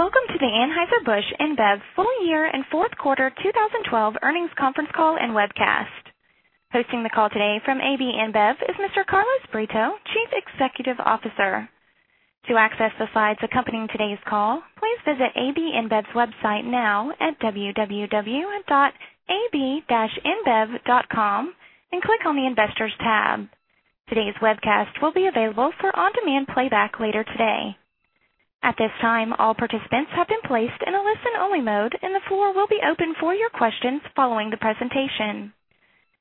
Welcome to the Anheuser-Busch InBev full year and fourth quarter 2012 earnings conference call and webcast. Hosting the call today from AB InBev is Mr. Carlos Brito, Chief Executive Officer. To access the slides accompanying today's call, please visit ab-inbev.com now at www.ab-inbev.com and click on the Investors tab. Today's webcast will be available for on-demand playback later today. At this time, all participants have been placed in a listen-only mode, and the floor will be open for your questions following the presentation.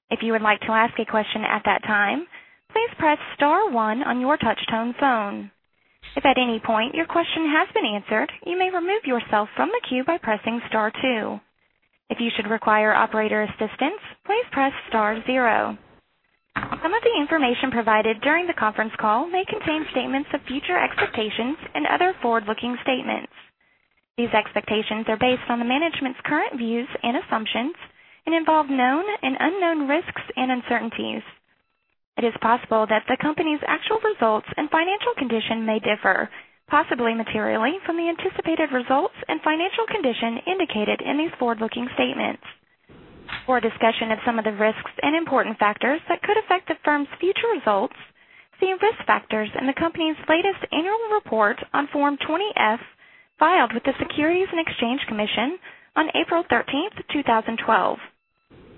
If you would like to ask a question at that time, please press star one on your touch-tone phone. If at any point your question has been answered, you may remove yourself from the queue by pressing star two. If you should require operator assistance, please press star zero. Some of the information provided during the conference call may contain statements of future expectations and other forward-looking statements. These expectations are based on the management's current views and assumptions and involve known and unknown risks and uncertainties. It is possible that the company's actual results and financial condition may differ, possibly materially, from the anticipated results and financial condition indicated in these forward-looking statements. For a discussion of some of the risks and important factors that could affect the firm's future results, see risk factors in the company's latest annual report on Form 20-F filed with the Securities and Exchange Commission on April 13th, 2012.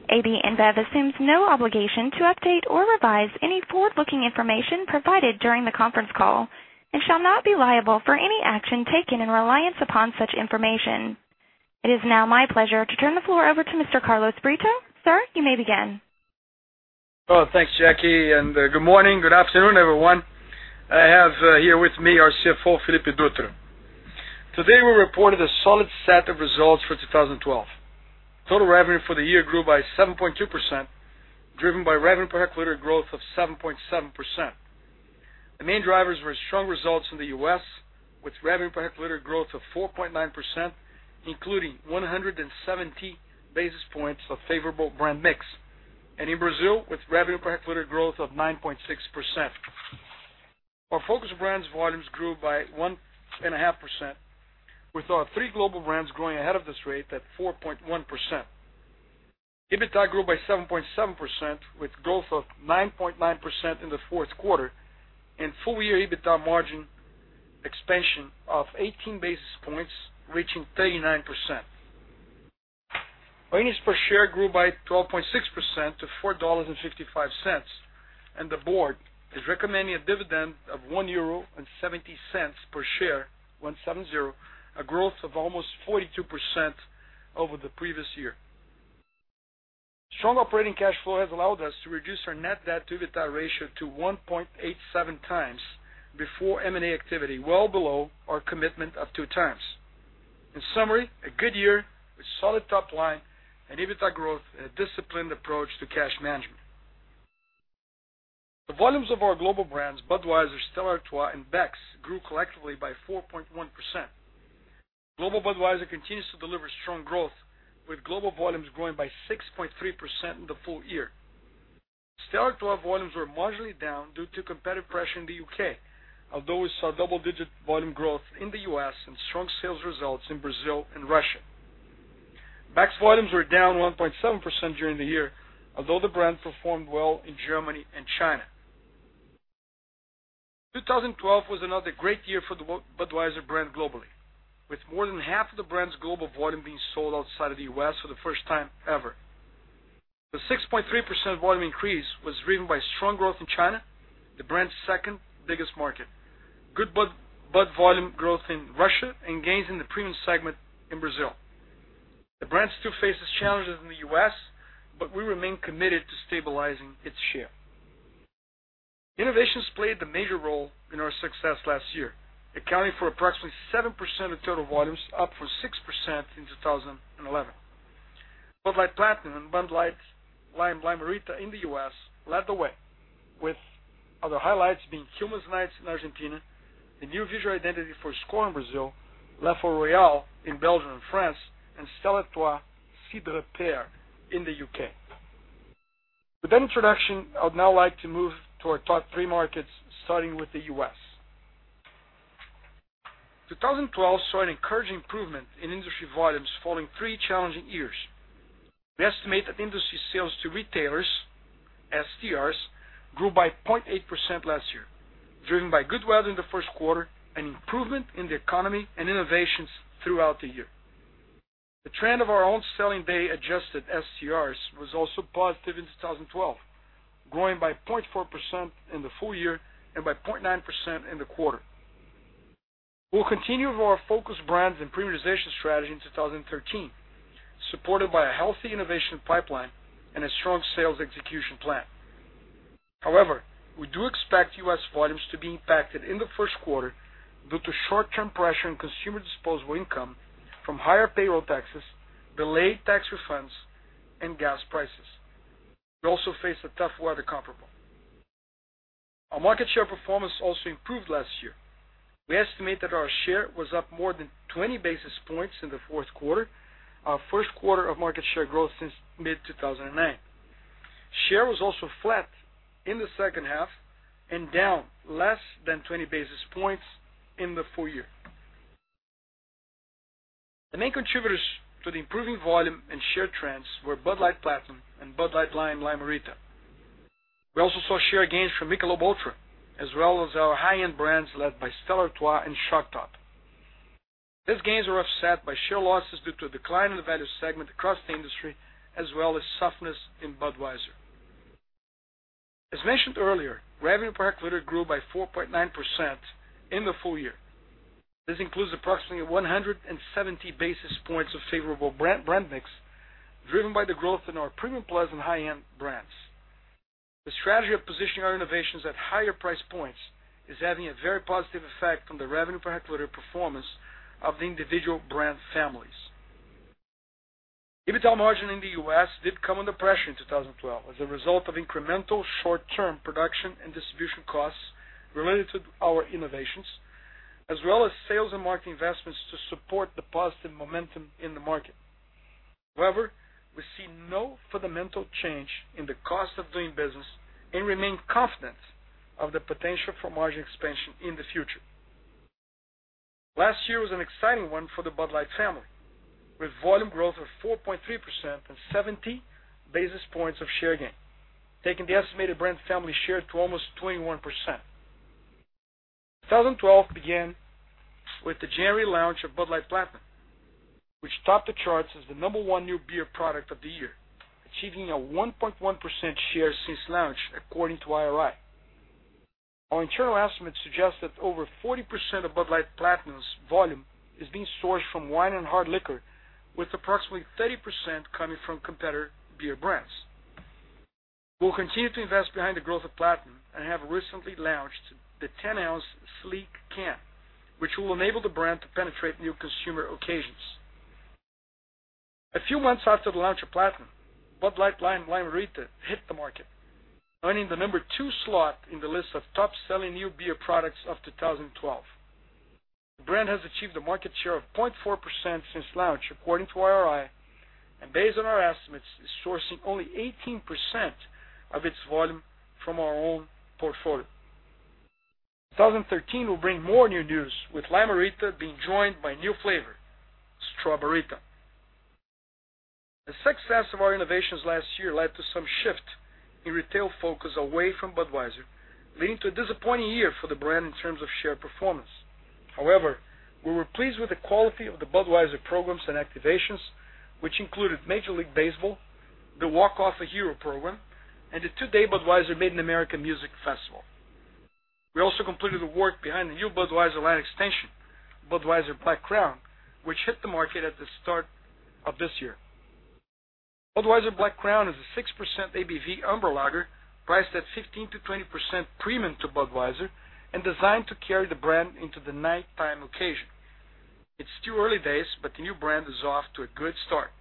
AB InBev assumes no obligation to update or revise any forward-looking information provided during the conference call and shall not be liable for any action taken in reliance upon such information. It is now my pleasure to turn the floor over to Mr. Carlos Brito. Sir, you may begin. Thanks, Jackie, good morning. Good afternoon, everyone. I have here with me our CFO, Felipe Dutra. Today, we reported a solid set of results for 2012. Total revenue for the year grew by 7.2%, driven by revenue per hectoliter growth of 7.7%. The main drivers were strong results in the U.S., with revenue per hectoliter growth of 4.9%, including 117 basis points of favorable brand mix, and in Brazil, with revenue per hectoliter growth of 9.6%. Our focus brands volumes grew by 1.5%, with our three global brands growing ahead of this rate at 4.1%. EBITA grew by 7.7%, with growth of 9.9% in the fourth quarter and full-year EBITA margin expansion of 18 basis points, reaching 39%. Earnings per share grew by 12.6% to $4.55. The board is recommending a dividend of 1.70 euro per share, a growth of almost 42% over the previous year. Strong operating cash flow has allowed us to reduce our net debt to EBITA ratio to 1.87x before M&A activity, well below our commitment of two times. In summary, a good year with solid top line and EBITA growth and a disciplined approach to cash management. The volumes of our global brands, Budweiser, Stella Artois, and Beck's, grew collectively by 4.1%. Global Budweiser continues to deliver strong growth, with global volumes growing by 6.3% in the full year. Stella Artois volumes were marginally down due to competitive pressure in the U.K., although we saw double-digit volume growth in the U.S. and strong sales results in Brazil and Russia. Beck's volumes were down 1.7% during the year, although the brand performed well in Germany and China. 2012 was another great year for the Budweiser brand globally, with more than half of the brand's global volume being sold outside of the U.S. for the first time ever. The 6.3% volume increase was driven by strong growth in China, the brand's second-biggest market, good Bud volume growth in Russia, and gains in the premium segment in Brazil. We remain committed to stabilizing its share. Innovations played a major role in our success last year, accounting for approximately 7% of total volumes, up from 6% in 2011. Bud Light Platinum and Bud Light Lime-A-Rita in the U.S. led the way, with other highlights being Quilmes Night in Argentina, the new visual identity for Skol in Brazil, Leffe Royale in Belgium and France, and Stella Artois Cidre Pear in the U.K. With that introduction, I would now like to move to our top three markets, starting with the U.S. 2012 saw an encouraging improvement in industry volumes following three challenging years. We estimate that industry sales to retailers, STRs, grew by 0.8% last year, driven by good weather in the first quarter and improvement in the economy and innovations throughout the year. The trend of our own selling day-adjusted STRs was also positive in 2012, growing by 0.4% in the full year and by 0.9% in the quarter. We'll continue with our focus brands and premiumization strategy in 2013, supported by a healthy innovation pipeline and a strong sales execution plan. We do expect U.S. volumes to be impacted in the first quarter due to short-term pressure on consumer disposable income from higher payroll taxes, delayed tax refunds, and gas prices. We also face a tough weather comparable. Our market share performance also improved last year. We estimate that our share was up more than 20 basis points in the fourth quarter, our first quarter of market share growth since mid-2009. Share was also flat in the second half and down less than 20 basis points in the full year. The main contributors to the improving volume and share trends were Bud Light Platinum and Bud Light Lime-A-Rita. We also saw share gains from Michelob ULTRA, as well as our high-end brands led by Stella Artois and Shock Top. These gains were offset by share losses due to a decline in the value segment across the industry, as well as softness in Budweiser. As mentioned earlier, revenue per hectoliter grew by 4.9% in the full year. This includes approximately 170 basis points of favorable brand mix, driven by the growth in our premium plus and high-end brands. The strategy of positioning our innovations at higher price points is having a very positive effect on the revenue per hectoliter performance of the individual brand families. EBITDA margin in the U.S. did come under pressure in 2012 as a result of incremental short-term production and distribution costs related to our innovations, as well as sales and marketing investments to support the positive momentum in the market. We see no fundamental change in the cost of doing business and remain confident of the potential for margin expansion in the future. Last year was an exciting one for the Bud Light family, with volume growth of 4.3% and 70 basis points of share gain, taking the estimated brand family share to almost 21%. 2012 began with the January launch of Bud Light Platinum, which topped the charts as the number 1 new beer product of the year, achieving a 1.1% share since launch, according to IRI. Our internal estimates suggest that over 40% of Bud Light Platinum's volume is being sourced from wine and hard liquor, with approximately 30% coming from competitor beer brands. We'll continue to invest behind the growth of Platinum and have recently launched the 10-ounce sleek can, which will enable the brand to penetrate new consumer occasions. A few months after the launch of Platinum, Bud Light Lime-A-Rita hit the market, earning the number 2 slot in the list of top-selling new beer products of 2012. The brand has achieved a market share of 0.4% since launch, according to IRI, and based on our estimates, is sourcing only 18% of its volume from our own portfolio. 2013 will bring more new news, with Lime-A-Rita being joined by a new flavor: Straw-Ber-Rita. The success of our innovations last year led to some shift in retail focus away from Budweiser, leading to a disappointing year for the brand in terms of share performance. We were pleased with the quality of the Budweiser programs and activations, which included Major League Baseball, the Walk Off a Hero program, and the two-day Budweiser Made in America music festival. We also completed the work behind the new Budweiser line extension, Budweiser Black Crown, which hit the market at the start of this year. Budweiser Black Crown is a 6% ABV amber lager priced at 15%-20% premium to Budweiser and designed to carry the brand into the nighttime occasion. It's too early days, but the new brand is off to a good start.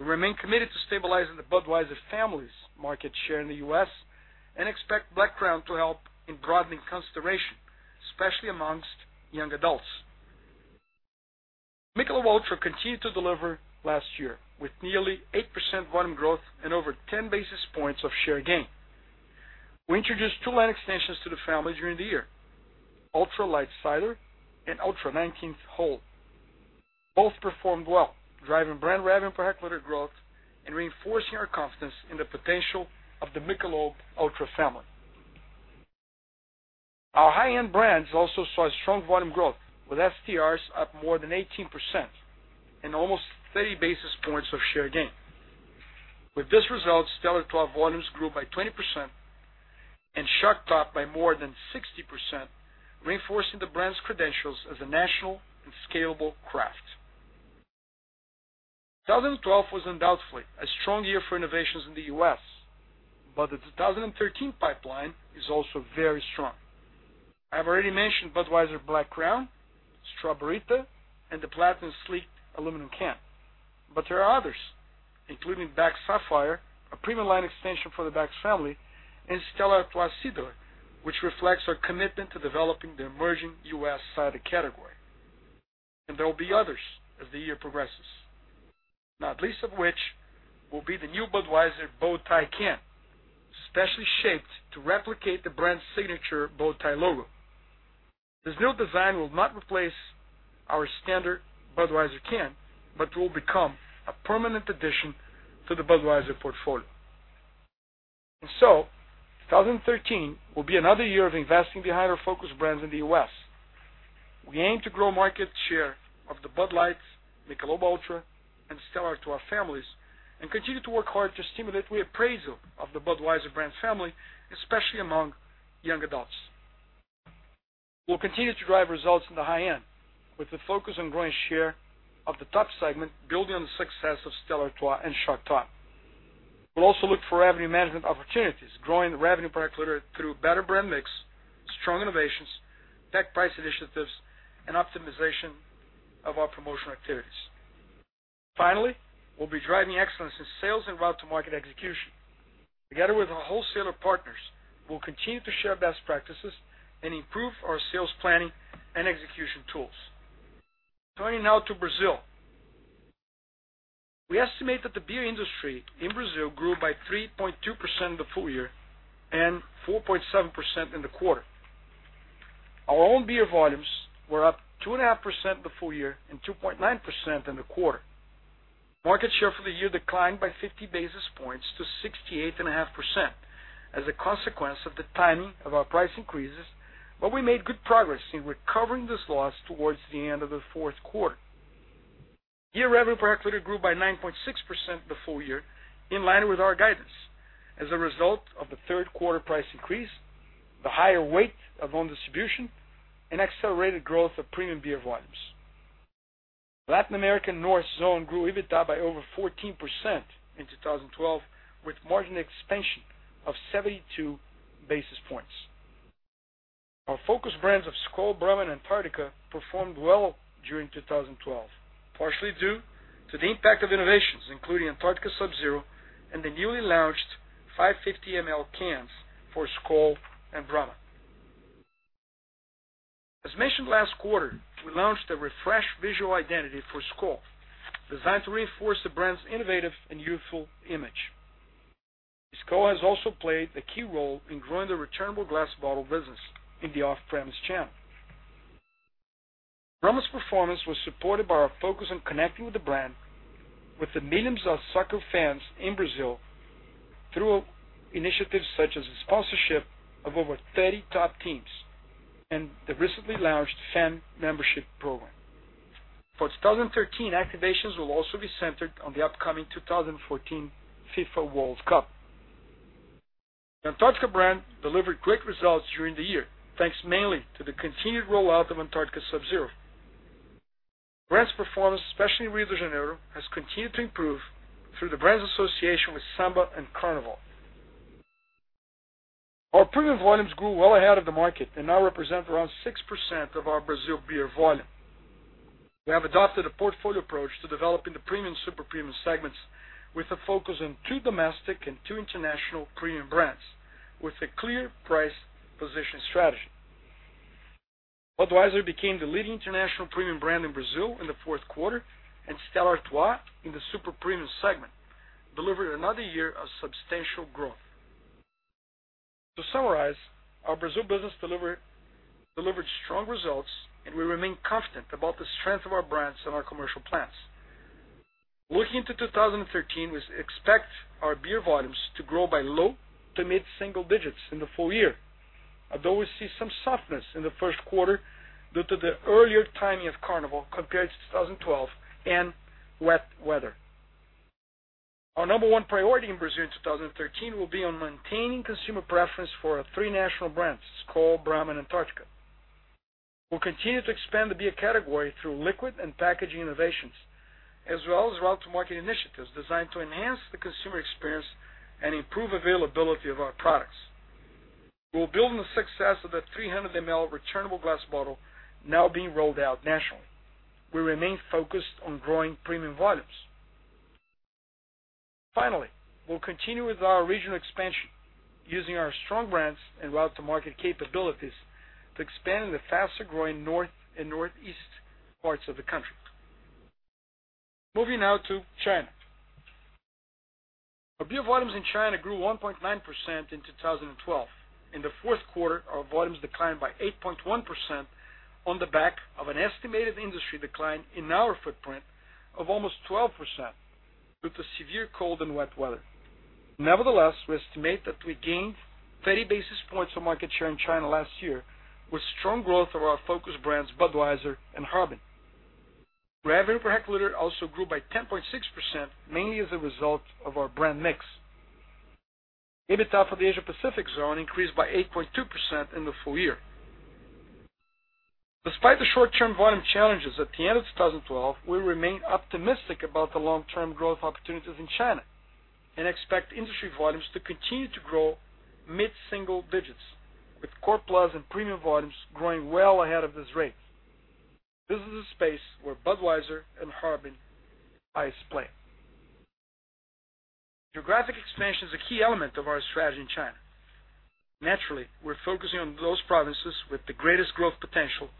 We remain committed to stabilizing the Budweiser family's market share in the U.S. and expect Black Crown to help in broadening consideration, especially amongst young adults. Michelob ULTRA continued to deliver last year with nearly 8% volume growth and over 10 basis points of share gain. We introduced two line extensions to the family during the year: ULTRA Light Cider and ULTRA 19th Hole. Both performed well, driving brand revenue per hectoliter growth and reinforcing our confidence in the potential of the Michelob ULTRA family. Our high-end brands also saw strong volume growth, with STRs up more than 18% and almost 30 basis points of share gain. With this result, Stella Artois volumes grew by 20% and Shock Top by more than 60%, reinforcing the brand's credentials as a national and scalable craft. 2012 was undoubtedly a strong year for innovations in the U.S., but the 2013 pipeline is also very strong. I've already mentioned Budweiser Black Crown, Straw-Ber-Rita, and the Bud Light Platinum sleek aluminum can. There are others, including Beck's Sapphire, a premium line extension for the Beck's family, and Stella Artois Cidre, which reflects our commitment to developing the emerging U.S. cider category. There will be others as the year progresses. Not least of which will be the new Budweiser bow tie can, specially shaped to replicate the brand's signature bow tie logo. 2013 will be another year of investing behind our focus brands in the U.S. We aim to grow market share of the Bud Light, Michelob ULTRA, and Stella Artois families and continue to work hard to stimulate reappraisal of the Budweiser brand family, especially among young adults. We'll continue to drive results in the high end with a focus on growing share of the top segment, building on the success of Stella Artois and Shock Top. We'll also look for revenue management opportunities, growing revenue per hectoliter through better brand mix, strong innovations, tech price initiatives, and optimization of our promotional activities. Finally, we'll be driving excellence in sales and route-to-market execution. Together with our wholesaler partners, we'll continue to share best practices and improve our sales planning and execution tools. Turning now to Brazil. We estimate that the beer industry in Brazil grew by 3.2% in the full year and 4.7% in the quarter. Our own beer volumes were up 2.5% the full year and 2.9% in the quarter. Market share for the year declined by 50 basis points to 68.5% as a consequence of the timing of our price increases. We made good progress in recovering this loss towards the end of the fourth quarter. Year revenue per hectoliter grew by 9.6% the full year, in line with our guidance as a result of the third quarter price increase, the higher weight of own distribution, and accelerated growth of premium beer volumes. Latin American North Zone grew EBITDA by over 14% in 2012, with margin expansion of 72 basis points. Our focus brands of Skol, Brahma, and Antarctica performed well during 2012, partially due to the impact of innovations, including Antarctica Sub Zero and the newly launched 550 ml cans for Skol and Brahma. As mentioned last quarter, we launched a refreshed visual identity for Skol, designed to reinforce the brand's innovative and youthful image. Skol has also played a key role in growing the returnable glass bottle business in the off-premise channel. Brahma's performance was supported by our focus on connecting with the brand, with the millions of soccer fans in Brazil through initiatives such as the sponsorship of over 30 top teams and the recently launched fan membership program. For 2013, activations will also be centered on the upcoming 2014 FIFA World Cup. The Antarctica brand delivered great results during the year, thanks mainly to the continued rollout of Antarctica Sub Zero. The brand's performance, especially in Rio de Janeiro, has continued to improve through the brand's association with Samba and Carnival. Our premium volumes grew well ahead of the market and now represent around 6% of our Brazil beer volume. We have adopted a portfolio approach to developing the premium, super-premium segments with a focus on two domestic and two international premium brands with a clear price position strategy. Budweiser became the leading international premium brand in Brazil in the fourth quarter, and Stella Artois in the super-premium segment delivered another year of substantial growth. To summarize, our Brazil business delivered strong results, and we remain confident about the strength of our brands and our commercial plans. Looking into 2013, we expect our beer volumes to grow by low to mid-single digits in the full year, although we see some softness in the first quarter due to the earlier timing of Carnival compared to 2012 and wet weather. Our number one priority in Brazil in 2013 will be on maintaining consumer preference for our three national brands, Skol, Brahma, and Antarctica. We'll continue to expand the beer category through liquid and packaging innovations, as well as route-to-market initiatives designed to enhance the consumer experience and improve availability of our products. We're building the success of the 300ml returnable glass bottle now being rolled out nationally. We remain focused on growing premium volumes. Finally, we'll continue with our regional expansion using our strong brands and route-to-market capabilities to expand in the faster-growing North and Northeast parts of the country. Moving now to China. Our beer volumes in China grew 1.9% in 2012. In the fourth quarter, our volumes declined by 8.1% on the back of an estimated industry decline in our footprint of almost 12% due to severe cold and wet weather. Nevertheless, we estimate that we gained 30 basis points of market share in China last year with strong growth of our focus brands Budweiser and Harbin. Revenue per hectoliter also grew by 10.6%, mainly as a result of our brand mix. EBITDA for the Asia Pacific zone increased by 8.2% in the full year. Despite the short-term volume challenges at the end of 2012, we remain optimistic about the long-term growth opportunities in China and expect industry volumes to continue to grow mid-single digits with core plus and premium volumes growing well ahead of this rate. This is a space where Budweiser and Harbin play. Geographic expansion is a key element of our strategy in China. Naturally, we're focusing on those provinces with the greatest growth potential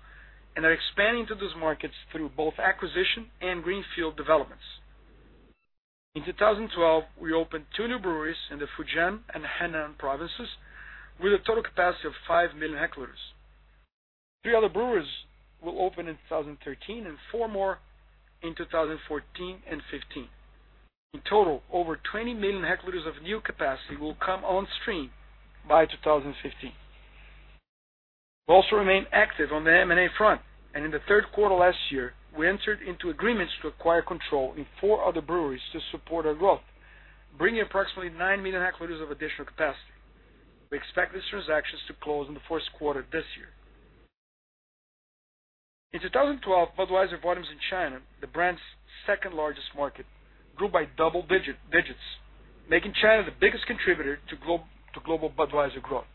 and are expanding to those markets through both acquisition and greenfield developments. In 2012, we opened two new breweries in the Fujian and Henan provinces with a total capacity of 5 million hectoliters. Three other breweries will open in 2013 and four more in 2014 and 2015. In total, over 20 million hectoliters of new capacity will come on stream by 2015. We also remain active on the M&A front, and in the third quarter last year, we entered into agreements to acquire control in four other breweries to support our growth, bringing approximately 9 million hectoliters of additional capacity. We expect these transactions to close in the first quarter this year. In 2012, Budweiser volumes in China, the brand's second-largest market, grew by double digits, making China the biggest contributor to global Budweiser growth.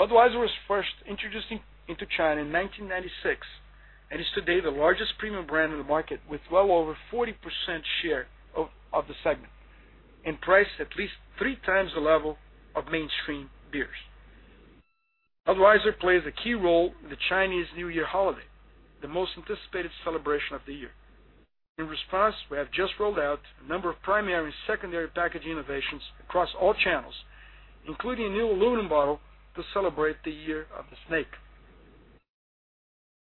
Budweiser was first introduced into China in 1996 and is today the largest premium brand in the market, with well over 40% share of the segment and priced at least three times the level of mainstream beers. Budweiser plays a key role in the Chinese New Year holiday, the most anticipated celebration of the year. In response, we have just rolled out a number of primary and secondary packaging innovations across all channels, including a new aluminum bottle to celebrate the Year of the Snake.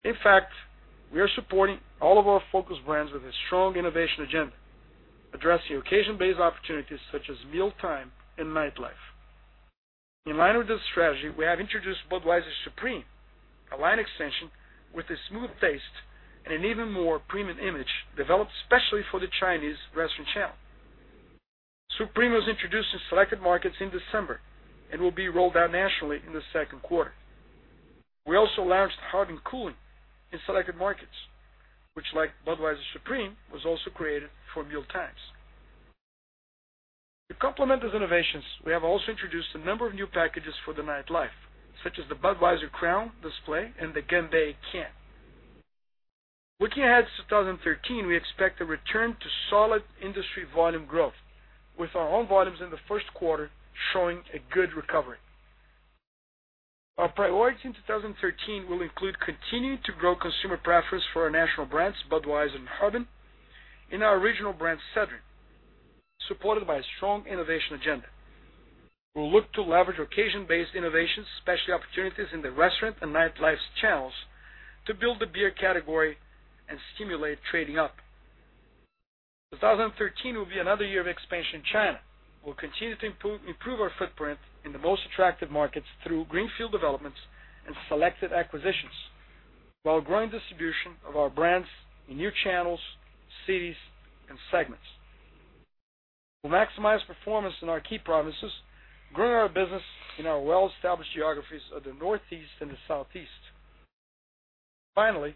In fact, we are supporting all of our focus brands with a strong innovation agenda, addressing occasion-based opportunities such as mealtime and nightlife. In line with this strategy, we have introduced Budweiser Supreme, a line extension with a smooth taste and an even more premium image developed especially for the Chinese restaurant channel. Supreme was introduced in selected markets in December and will be rolled out nationally in the second quarter. We also launched Harbin Ice in selected markets, which like Budweiser Supreme, was also created for mealtimes. To complement these innovations, we have also introduced a number of new packages for the nightlife, such as the Budweiser Crown display and the Ganbei can. Looking ahead to 2013, we expect a return to solid industry volume growth, with our own volumes in the first quarter showing a good recovery. Our priorities in 2013 will include continuing to grow consumer preference for our national brands, Budweiser and Harbin, and our original brand, Sedrin, supported by a strong innovation agenda. We'll look to leverage occasion-based innovations, especially opportunities in the restaurant and nightlife channels, to build the beer category and stimulate trading up. 2013 will be another year of expansion in China. We'll continue to improve our footprint in the most attractive markets through greenfield developments and selected acquisitions, while growing distribution of our brands in new channels, cities, and segments. We'll maximize performance in our key provinces, growing our business in our well-established geographies of the Northeast and the Southeast. Finally,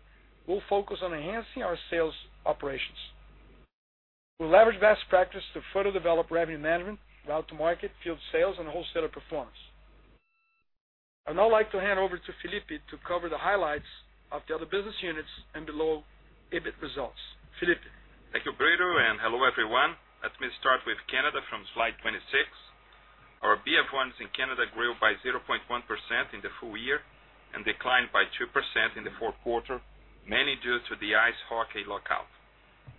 we'll focus on enhancing our sales operations. We'll leverage best practice to further develop revenue management, go-to-market, field sales, and wholesaler performance. I'd now like to hand over to Felipe to cover the highlights of the other business units and below EBIT results. Felipe? Thank you, Brito. Hello, everyone. Let me start with Canada from slide 26. Our beer volumes in Canada grew by 0.1% in the full year and declined by 2% in the fourth quarter, mainly due to the ice hockey lockout.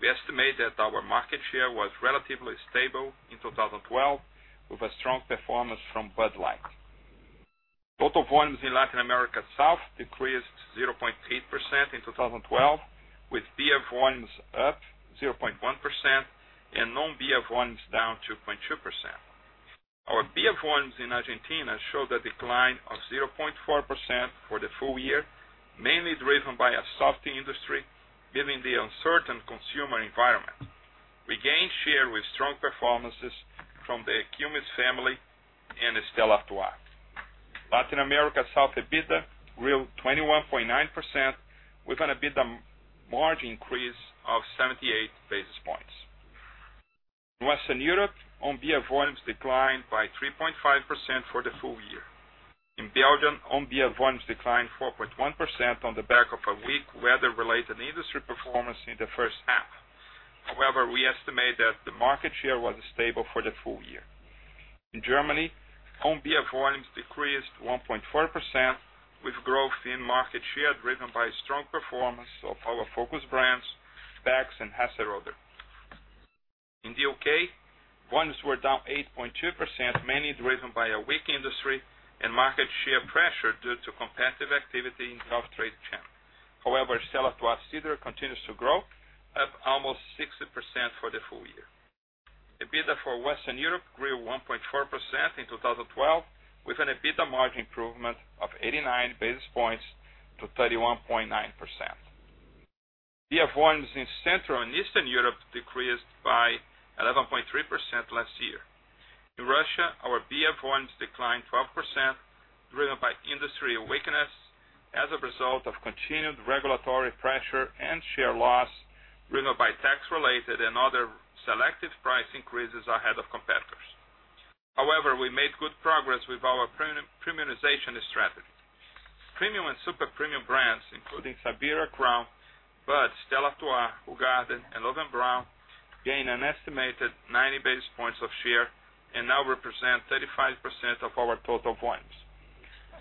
We estimate that our market share was relatively stable in 2012, with a strong performance from Bud Light. Total volumes in Latin America South decreased 0.8% in 2012, with beer volumes up 0.1% and non-beer volumes down 2.2%. Our beer volumes in Argentina showed a decline of 0.4% for the full year, mainly driven by a soft industry given the uncertain consumer environment. We gained share with strong performances from the Quilmes family and Stella Artois. Latin America South EBITDA grew 21.9%, with an EBITDA margin increase of 78 basis points. Western Europe, own beer volumes declined by 3.5% for the full year. In Belgium, on-beer volumes declined 4.1% on the back of a weak weather-related industry performance in the first half. However, we estimate that the market share was stable for the full year. In Germany, on-beer volumes decreased 1.4%, with growth in market share driven by strong performance of our focus brands, Beck's and Hasseröder. In the U.K., volumes were down 8.2%, mainly driven by a weak industry and market share pressure due to competitive activity in off-trade channels. However, Stella Artois Cidre continues to grow, up almost 60% for the full year. EBITDA for Western Europe grew 1.4% in 2012, with an EBITDA margin improvement of 89 basis points to 31.9%. Beer volumes in Central and Eastern Europe decreased by 11.3% last year. In Russia, our beer volumes declined 12%, driven by industry weakness as a result of continued regulatory pressure and share loss driven by tax-related and other selected price increases ahead of competitors. However, we made good progress with our premiumization strategy. Premium and super-premium brands, including Sibirskaya Korona, Bud, Stella Artois, Hoegaarden, and Löwenbräu, gained an estimated 90 basis points of share and now represent 35% of our total volumes.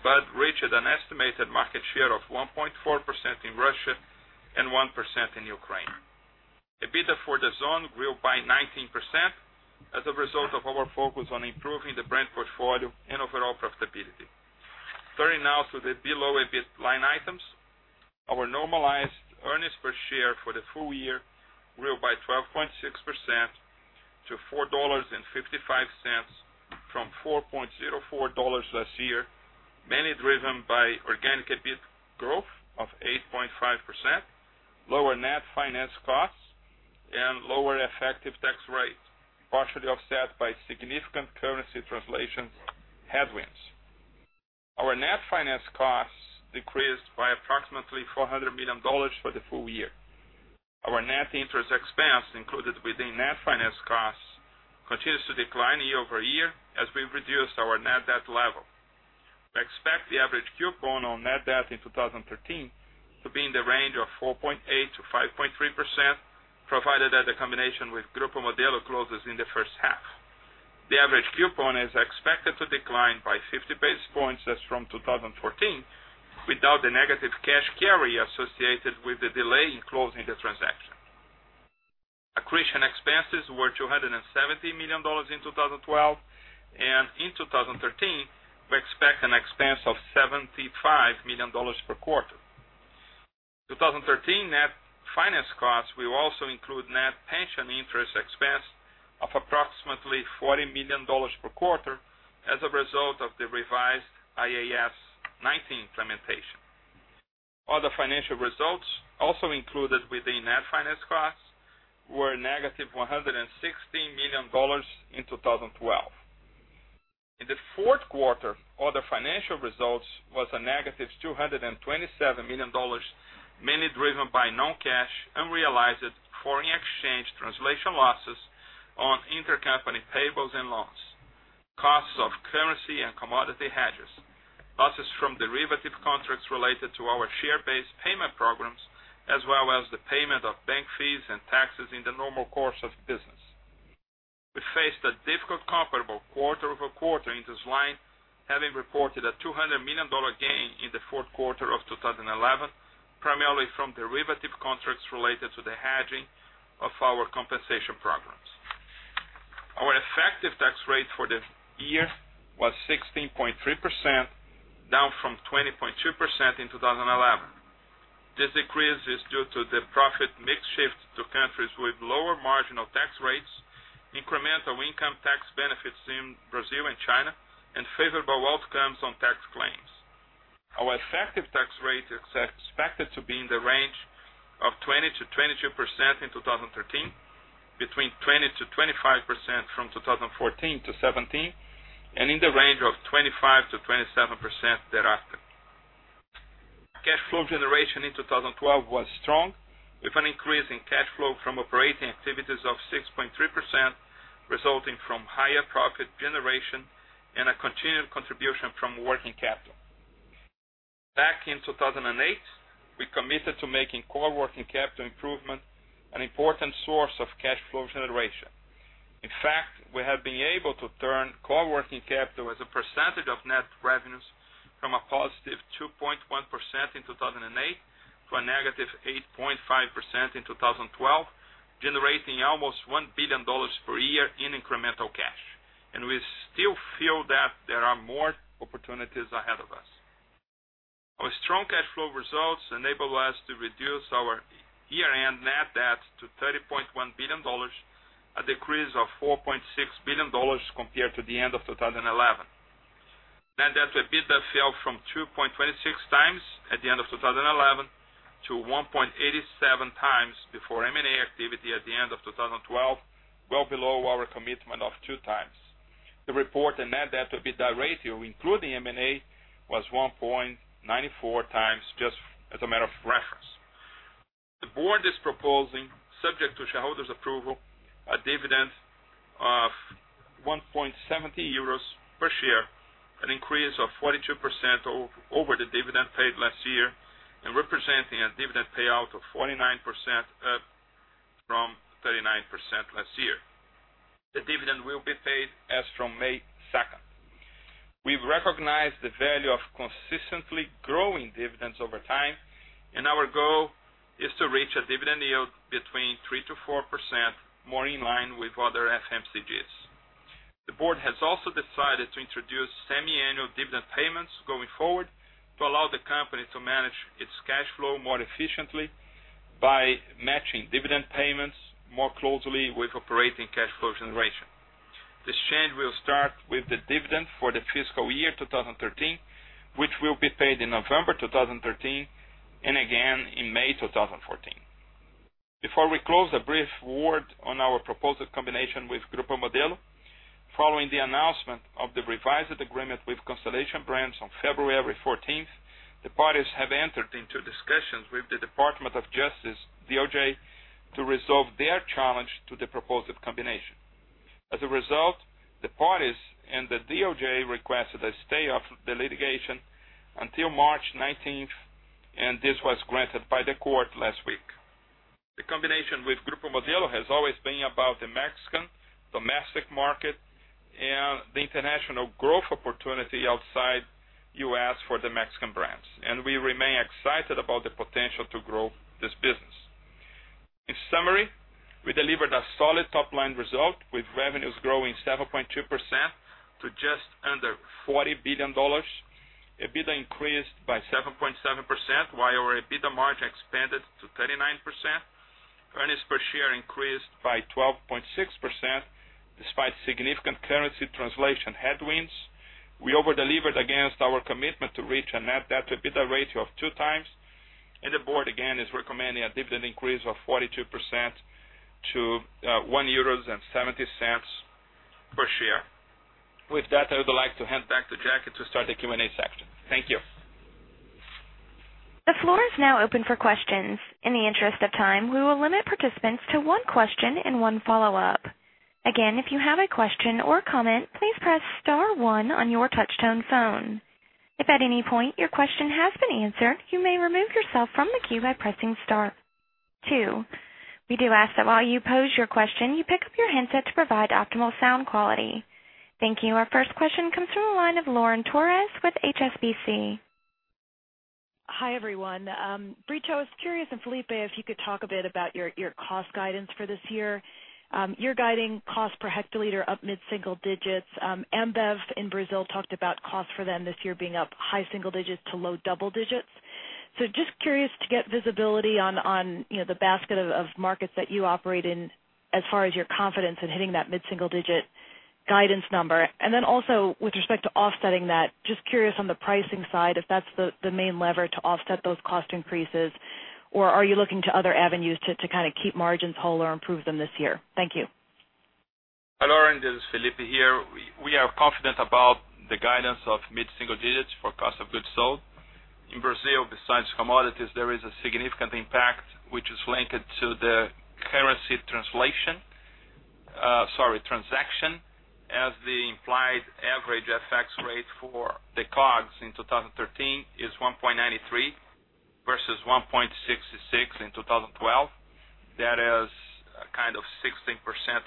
Bud reached an estimated market share of 1.4% in Russia and 1% in Ukraine. EBITDA for the zone grew by 19% as a result of our focus on improving the brand portfolio and overall profitability. Turning now to the below EBIT line items. Our normalized earnings per share for the full year grew by 12.6% to $4.55 from $4.04 last year, mainly driven by organic EBIT growth of 8.5%, lower net finance costs, and lower effective tax rates, partially offset by significant currency translation headwinds. Our net finance costs decreased by approximately $400 million for the full year. Our net interest expense included within net finance costs continues to decline year-over-year as we've reduced our net debt level. We expect the average coupon on net debt in 2013 to be in the range of 4.8%-5.3% provided that the combination with Grupo Modelo closes in the first half. The average coupon is expected to decline by 50 basis points as from 2014, without the negative cash carry associated with the delay in closing the transaction. Accretion expenses were $270 million in 2012, and in 2013, we expect an expense of $75 million per quarter. 2013 net finance costs will also include net pension interest expense of approximately $40 million per quarter as a result of the revised IAS 19 implementation. Other financial results, also included within net finance costs, were negative $116 million in 2012. In the fourth quarter, other financial results was a negative $227 million, mainly driven by non-cash, unrealized foreign exchange translation losses on intercompany payables and loans, costs of currency and commodity hedges, losses from derivative contracts related to our share-based payment programs, as well as the payment of bank fees and taxes in the normal course of business. We faced a difficult comparable quarter-over-quarter in this line, having reported a EUR 200 million gain in the fourth quarter of 2011, primarily from derivative contracts related to the hedging of our compensation programs. Our effective tax rate for the year was 16.3%, down from 20.2% in 2011. This decrease is due to the profit mix shift to countries with lower marginal tax rates, incremental income tax benefits in Brazil and China, and favorable outcomes on tax claims. Our effective tax rate is expected to be in the range of 20%-22% in 2013, between 20%-25% from 2014 to 2017, and in the range of 25%-27% thereafter. Cash flow generation in 2012 was strong, with an increase in cash flow from operating activities of 6.3%, resulting from higher profit generation and a continued contribution from working capital. Back in 2008, we committed to making core working capital improvement an important source of cash flow generation. In fact, we have been able to turn core working capital as a percentage of net revenues from a positive 2.1% in 2008 to a negative 8.5% in 2012, generating almost EUR 1 billion per year in incremental cash. We still feel that there are more opportunities ahead of us. Our strong cash flow results enable us to reduce our year-end net debt to EUR 30.1 billion, a decrease of EUR 4.6 billion compared to the end of 2011. Net debt-to-EBITDA fell from 2.26 times at the end of 2011 to 1.87 times before M&A activity at the end of 2012, well below our commitment of two times. The reported net debt-to-EBITDA ratio, including M&A, was 1.94 times, just as a matter of reference. The board is proposing, subject to shareholders' approval, a dividend of 1.70 euros per share, an increase of 42% over the dividend paid last year, and representing a dividend payout of 49% up from 39% last year. The dividend will be paid as from May 2nd. We've recognized the value of consistently growing dividends over time. Our goal is to reach a dividend yield between 3%-4%, more in line with other FMCGs. The board has also decided to introduce semiannual dividend payments going forward to allow the company to manage its cash flow more efficiently by matching dividend payments more closely with operating cash flow generation. This change will start with the dividend for the fiscal year 2013, which will be paid in November 2013 and again in May 2014. Before we close, a brief word on our proposed combination with Grupo Modelo. Following the announcement of the revised agreement with Constellation Brands on February 14th, the parties have entered into discussions with the Department of Justice, DOJ, to resolve their challenge to the proposed combination. As a result, the parties and the DOJ requested a stay of the litigation until March 19th, and this was granted by the court last week. The combination with Grupo Modelo has always been about the Mexican domestic market and the international growth opportunity outside U.S. for the Mexican brands. We remain excited about the potential to grow this business. In summary, we delivered a solid top-line result with revenues growing 7.2% to just under EUR 40 billion. EBITDA increased by 7.7%, while our EBITDA margin expanded to 39%. Earnings per share increased by 12.6%, despite significant currency translation headwinds. We over-delivered against our commitment to reach a net debt-to-EBITDA ratio of two times. The board, again, is recommending a dividend increase of 42% to 1.70 euros per share. With that, I would like to hand back to Jackie to start the Q&A section. Thank you. The floor is now open for questions. In the interest of time, we will limit participants to one question and one follow-up. Again, if you have a question or comment, please press star one on your touch-tone phone. If at any point your question has been answered, you may remove yourself from the queue by pressing star two. We do ask that while you pose your question, you pick up your handset to provide optimal sound quality. Thank you. Our first question comes from the line of Lauren Torres with HSBC. Hi, everyone. Brito, I was curious, Felipe, if you could talk a bit about your cost guidance for this year. You're guiding cost per hectoliter up mid-single digits. Ambev in Brazil talked about cost for them this year being up high single digits to low double digits. Just curious to get visibility on the basket of markets that you operate in as far as your confidence in hitting that mid-single-digit guidance number. Then also, with respect to offsetting that, just curious on the pricing side, if that's the main lever to offset those cost increases, or are you looking to other avenues to keep margins whole or improve them this year? Thank you. Hi, Lauren. This is Felipe here. We are confident about the guidance of mid-single digits for cost of goods sold. In Brazil, besides commodities, there is a significant impact, which is linked to the currency translation, as the implied average FX rate for the COGS in 2013 is 1.93 versus 1.66 in 2012. That is a kind of 16%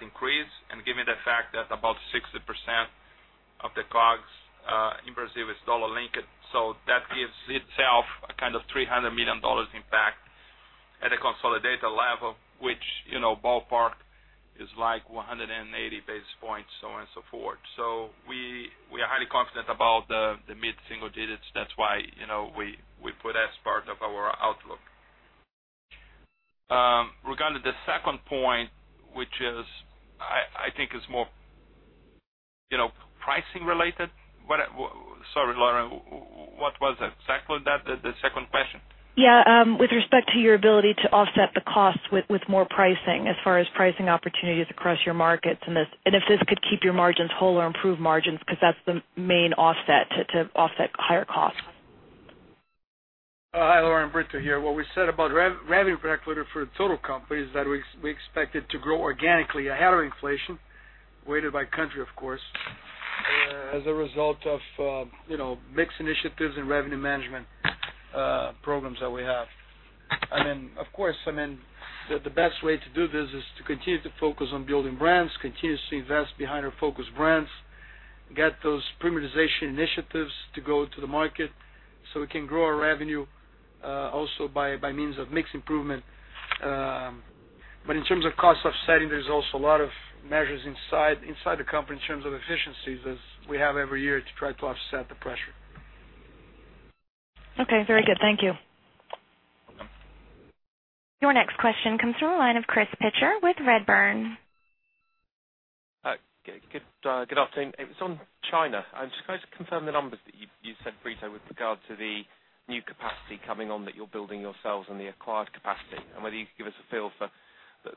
increase. Given the fact that about 60% of the COGS in Brazil is dollar-linked, so that gives itself a kind of $300 million impact at a consolidated level, which ballpark is like 180 basis points, so on and so forth. We are highly confident about the mid-single digits. That's why we put as part of our outlook. Regarding the second point, which I think is more pricing related. Sorry, Lauren, what was exactly that, the second question? Yeah. With respect to your ability to offset the cost with more pricing as far as pricing opportunities across your markets, if this could keep your margins whole or improve margins because that is the main offset to offset higher costs. Hi, Lauren. Brito here. What we said about revenue per hectoliter for the total company is that we expect it to grow organically ahead of inflation, weighted by country, of course, as a result of mix initiatives and revenue management programs that we have. Of course, the best way to do this is to continue to focus on building brands, continue to invest behind our focus brands, get those premiumization initiatives to go to the market so we can grow our revenue, also by means of mix improvement. In terms of cost offsetting, there is also a lot of measures inside the company in terms of efficiencies as we have every year to try to offset the pressure. Okay, very good. Thank you. Your next question comes from the line of Chris Pitcher with Redburn. Good afternoon. It's on China. I'm just going to confirm the numbers that you said, Brito, with regard to the new capacity coming on that you're building yourselves and the acquired capacity, and whether you could give us a feel for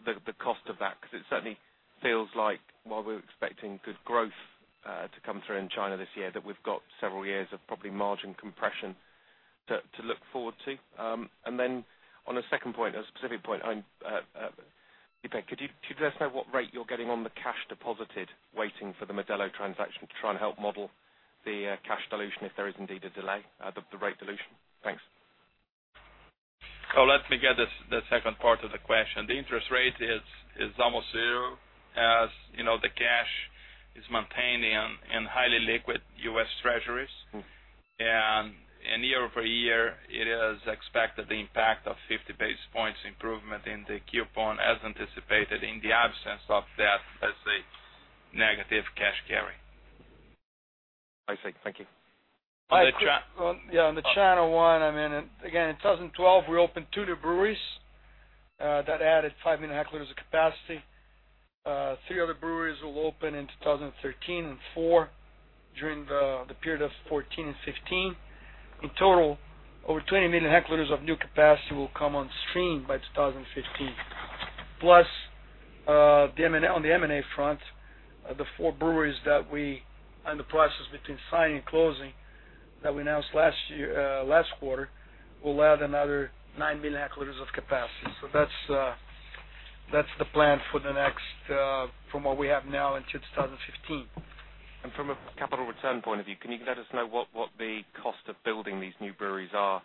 the cost of that. It certainly feels like while we're expecting good growth to come through in China this year, that we've got several years of probably margin compression to look forward to. On a second point, a specific point, could you just let us know what rate you're getting on the cash deposited waiting for the Modelo transaction to try and help model the cash dilution if there is indeed a delay, the rate dilution? Thanks. Let me get the second part of the question. The interest rate is almost zero. As you know, the cash is maintained in highly liquid U.S. treasuries. Year-over-year, it is expected the impact of 50 basis points improvement in the coupon as anticipated in the absence of that, let's say, negative cash carry. I see. Thank you. Yeah, on the China one, again, in 2012, we opened two new breweries that added 5 million hectoliters of capacity. Three other breweries will open in 2013 and four during the period of 2014 and 2015. In total, over 20 million hectoliters of new capacity will come on stream by 2015. On the M&A front, the four breweries that we are in the process between signing and closing that we announced last quarter, will add another 9 million hectoliters of capacity. That's the plan for the next, from what we have now into 2015. From a capital return point of view, can you let us know what the cost of building these new breweries are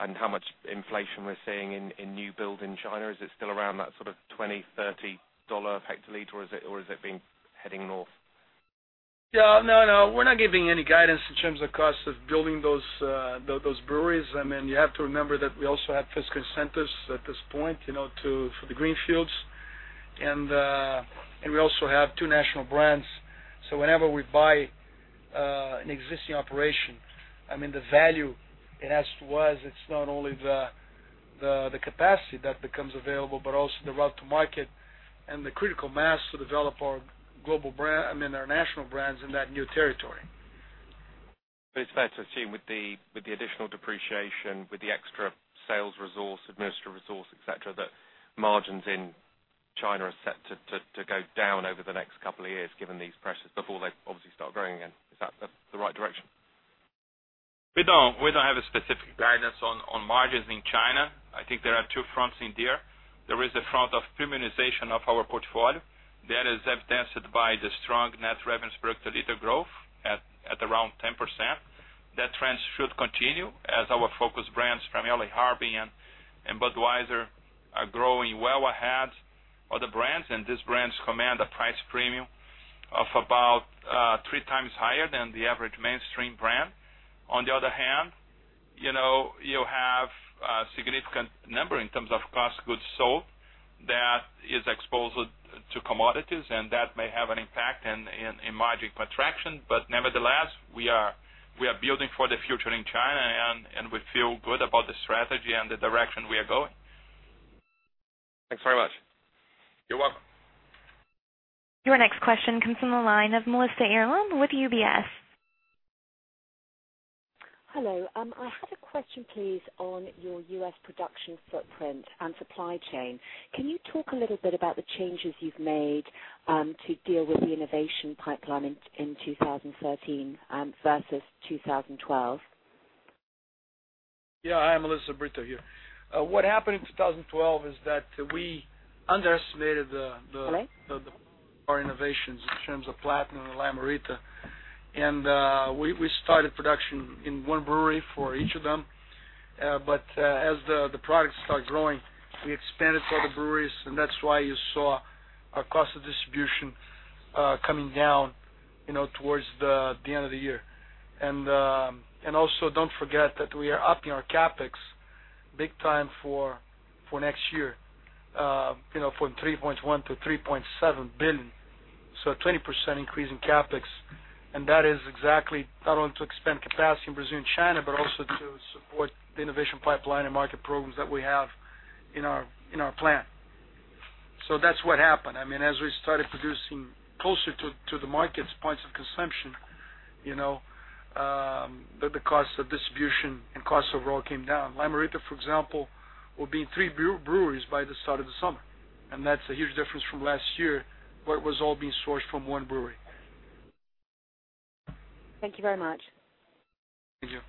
and how much inflation we're seeing in new build in China? Is it still around that sort of 20, EUR 30 per hectoliter or has it been heading north? No, we're not giving any guidance in terms of cost of building those breweries. You have to remember that we also have fiscal incentives at this point for the greenfields. We also have two national brands. Whenever we buy an existing operation, the value it has towards, it's not only the capacity that becomes available, but also the route to market and the critical mass to develop our national brands in that new territory. It's fair to assume with the additional depreciation, with the extra sales resource, administrative resource, et cetera, that margins in China are set to go down over the next couple of years, given these pressures before they obviously start growing again. Is that the right direction? We don't have a specific guidance on margins in China. I think there are two fronts in there. There is the front of premiumization of our portfolio that is evidenced by the strong net revenues per hectoliter growth at around 10%. That trend should continue as our focus brands, primarily Harbin and Budweiser, are growing well ahead of other brands, and these brands command a price premium of about three times higher than the average mainstream brand. On the other hand, you have a significant number in terms of cost goods sold that is exposed to commodities, and that may have an impact in margin contraction. Nevertheless, we are building for the future in China, and we feel good about the strategy and the direction we are going. Thanks very much. You're welcome. Your next question comes from the line of Melissa Earl with UBS. Hello. I have a question, please, on your U.S. production footprint and supply chain. Can you talk a little bit about the changes you've made to deal with the innovation pipeline in 2013 versus 2012? Yeah. Hi, Melissa, Brito here. What happened in 2012 is that we underestimated our innovations in terms of Platinum and Lime-A-Rita. Right our innovations in terms of Platinum and Lime-A-Rita. We started production in one brewery for each of them. As the products start growing, we expanded to other breweries. That's why you saw our cost of distribution coming down towards the end of the year. Also, don't forget that we are upping our CapEx big time for next year from $3.1 billion to $3.7 billion. 20% increase in CapEx. That is exactly not only to expand capacity in Brazil and China, but also to support the innovation pipeline and market programs that we have in our plan. That's what happened. As we started producing closer to the markets points of consumption, the cost of distribution and costs overall came down. Lime-A-Rita, for example, will be in three breweries by the start of the summer. That's a huge difference from last year, where it was all being sourced from one brewery. Thank you very much. Thank you.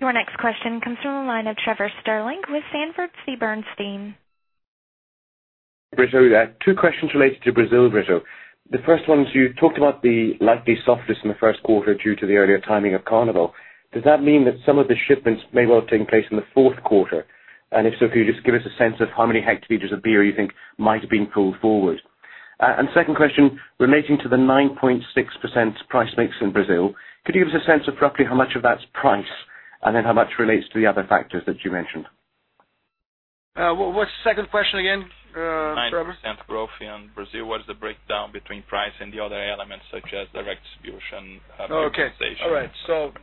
Your next question comes from the line of Trevor Stirling with Sanford C. Bernstein. Brito, I have two questions related to Brazil, Brito. The first one is you talked about the likely softness in the first quarter due to the earlier timing of Carnival. Does that mean that some of the shipments may well have taken place in the fourth quarter? If so, could you just give us a sense of how many hectoliters of beer you think might have been pulled forward? Second question, relating to the 9.6% price mix in Brazil, could you give us a sense of roughly how much of that's price, and then how much relates to the other factors that you mentioned? What's the second question again, Trevor? 9% growth in Brazil. What is the breakdown between price and the other elements such as direct distribution? Okay implementation? All right.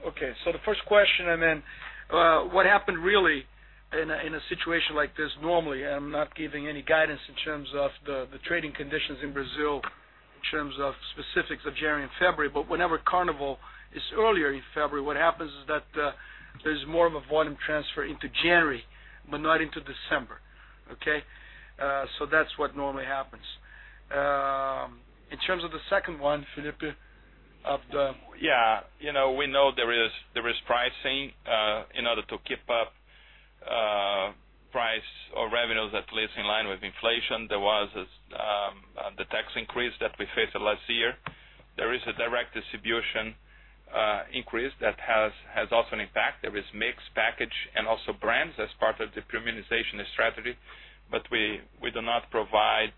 Okay. The first question, what happened really in a situation like this, normally, I'm not giving any guidance in terms of the trading conditions in Brazil in terms of specifics of January and February, but whenever Carnival is earlier in February, what happens is that there's more of a volume transfer into January, but not into December. Okay? That's what normally happens. In terms of the second one, Felipe, of the. Yeah. We know there is pricing in order to keep up price or revenues at least in line with inflation. There was the tax increase that we faced last year. There is a direct distribution increase that has also an impact. There is mix package and also brands as part of the premiumization strategy. We do not provide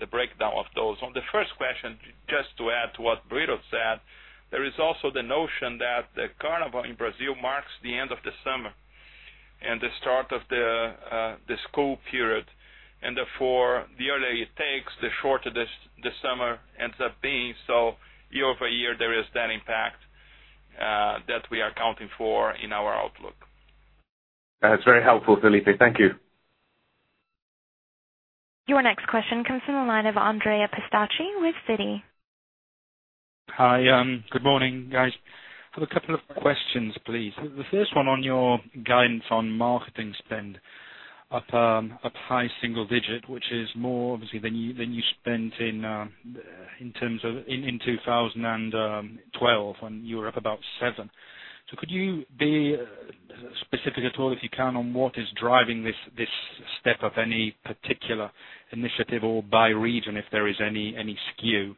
the breakdown of those. On the first question, just to add to what Brito said, there is also the notion that the Carnival in Brazil marks the end of the summer and the start of the school period. Therefore the earlier it takes, the shorter the summer ends up being. Year-over-year, there is that impact that we are accounting for in our outlook. That's very helpful, Felipe. Thank you. Your next question comes from the line of Andrea Pistacchi with Citi. Hi. Good morning, guys. I have a couple of questions, please. The first one on your guidance on marketing spend up high single digit, which is more obviously than you spent in 2012, and you were up about seven. Could you be specific at all, if you can, on what is driving this step up, any particular initiative or by region, if there is any skew?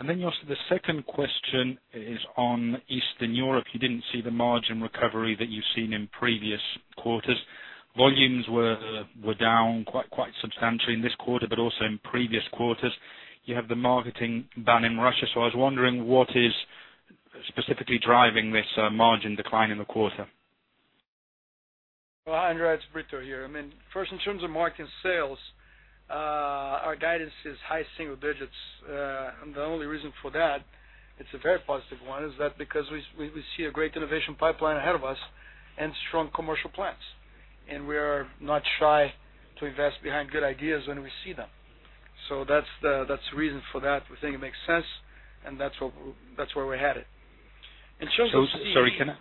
The second question is on Eastern Europe. You didn't see the margin recovery that you've seen in previous quarters. Volumes were down quite substantially in this quarter but also in previous quarters. You have the marketing ban in Russia. I was wondering what is specifically driving this margin decline in the quarter. Well, Andrea, it's Brito here. First, in terms of marketing sales, our guidance is high single digits. The only reason for that, it's a very positive one, is that because we see a great innovation pipeline ahead of us and strong commercial plans, and we are not shy to invest behind good ideas when we see them. That's the reason for that. We think it makes sense, and that's where we're headed. In terms of- Sorry, can I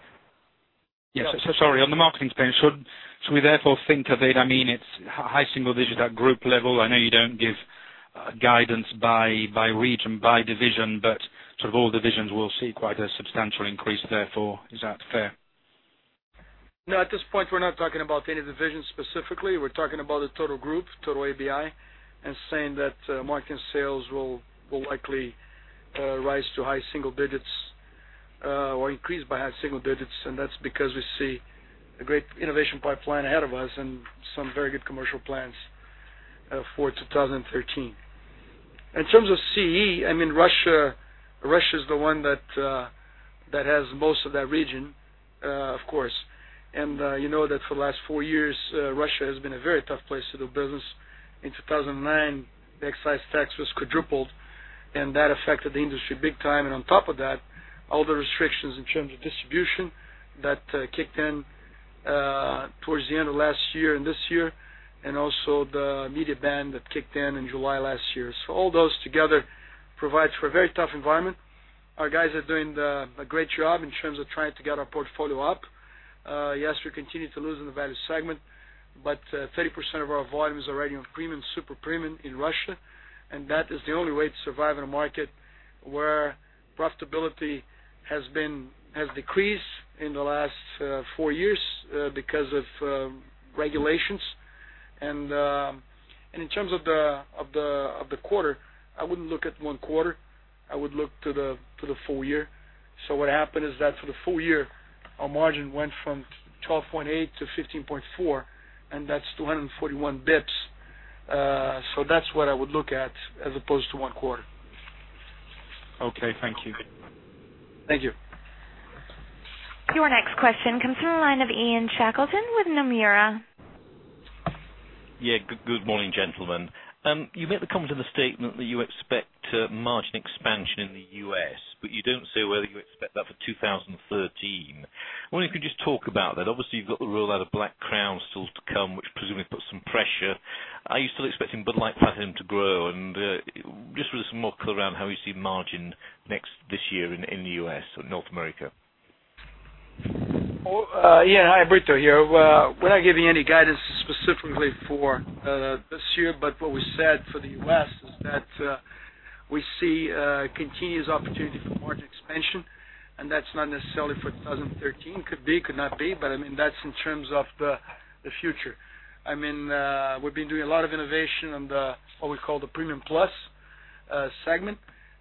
Yes. Sorry, on the marketing spend, should we therefore think of it's high single digits at group level. I know you don't give guidance by region, by division, but all divisions will see quite a substantial increase therefore. Is that fair? No, at this point we're not talking about any division specifically. We're talking about the total group, total AB InBev, and saying that marketing sales will likely rise to high single digits, or increase by high single digits, and that's because we see a great innovation pipeline ahead of us and some very good commercial plans for 2013. In terms of CE, Russia is the one that has most of that region, of course. You know that for the last four years, Russia has been a very tough place to do business. In 2009, the excise tax was quadrupled, and that affected the industry big time, on top of that, all the restrictions in terms of distribution that kicked in towards the end of last year and this year, also the media ban that kicked in in July last year. All those together provides for a very tough environment. Our guys are doing a great job in terms of trying to get our portfolio up. Yes, we continue to lose in the value segment, but 30% of our volume is already on premium, super premium in Russia, and that is the only way to survive in a market where profitability has decreased in the last four years because of regulations. In terms of the quarter, I wouldn't look at one quarter, I would look to the full year. What happened is that for the full year, our margin went from 12.8 to 15.4, and that's 241 basis points. That's what I would look at as opposed to one quarter. Okay. Thank you. Thank you. Your next question comes from the line of Ian Shackleton with Nomura. Good morning, gentlemen. You made the comment in the statement that you expect margin expansion in the U.S., but you don't say whether you expect that for 2013. Wonder if you could just talk about that? Obviously, you've got the rollout of Black Crown still to come, which presumably puts some pressure. Are you still expecting Bud Light Platinum to grow? Just for some more color around how we see margin next this year in the U.S. or North America. Brito here. We're not giving any guidance specifically for this year, but what we said for the U.S. is that we see a continuous opportunity for margin expansion, and that's not necessarily for 2013. Could be, could not be, but that's in terms of the future. We've been doing a lot of innovation on the, what we call the premium plus segment,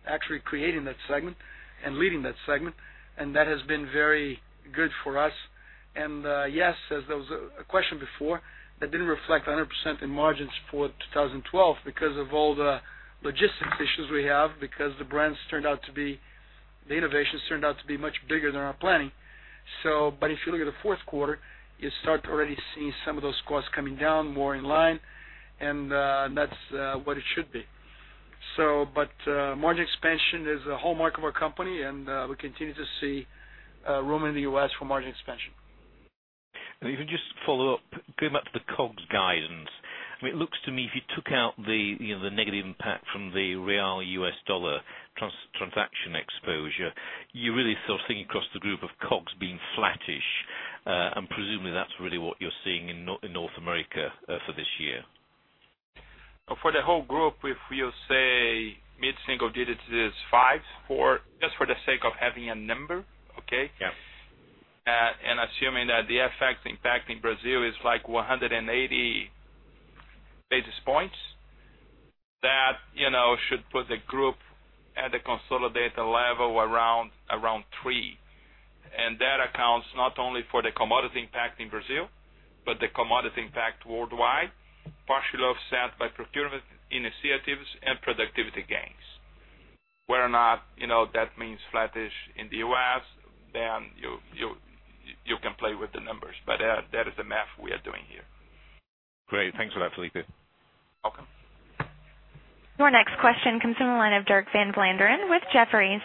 actually creating that segment and leading that segment, and that has been very good for us. Yes, as there was a question before, that didn't reflect 100% in margins for 2012 because of all the logistics issues we have because the innovations turned out to be much bigger than our planning. If you look at the fourth quarter, you start to already see some of those costs coming down more in line, and that's what it should be. Margin expansion is a hallmark of our company, and we continue to see room in the U.S. for margin expansion. If I can just follow up, going back to the COGS guidance. It looks to me if you took out the negative impact from the real U.S. dollar transaction exposure, you really still think across the group of COGS being flattish, and presumably that's really what you're seeing in North America for this year. For the whole group, if we'll say mid-single digits is five, just for the sake of having a number, okay? Yeah. Assuming that the effects impacting Brazil is like 180 basis points, that should put the group at a consolidated level around three. That accounts not only for the commodity impact in Brazil, but the commodity impact worldwide, partially offset by procurement initiatives and productivity gains. Whether or not that means flattish in the U.S., then you can play with the numbers, but that is the math we are doing here. Great. Thanks for that, Felipe. Welcome. Your next question comes from the line of Dirk Van Vlaanderen with Jefferies.